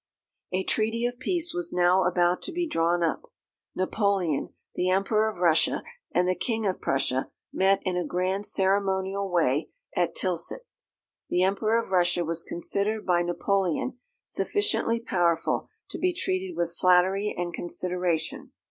A treaty of peace was now about to be drawn up. Napoleon, the Emperor of Russia, and the King of Prussia, met in a grand ceremonial way at Tilsit. The Emperor of Russia was considered by Napoleon sufficiently powerful to be treated with flattery and consideration.